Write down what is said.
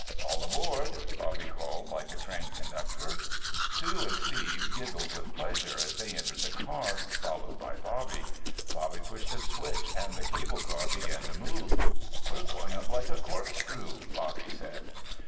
"All aboard!" Bobby called, like a train conductor. Sue and Steve giggled with pleasure as they entered the car, followed by Bobby. Bobby pushed a switch and the cable car began to move. "We're going up like a corkscrew," Bobby said.